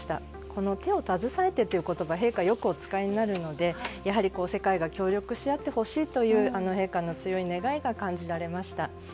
この手を携えてという言葉よくお使いになるのでやはり世界が協力し合ってほしいという陛下の強い願いが感じられました。